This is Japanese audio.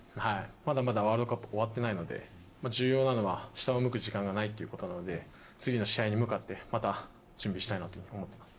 まだまだワールドカップ終わってないので、重要なのは、下を向く時間がないということなので、次の試合に向かって、また準備したいなと思ってます。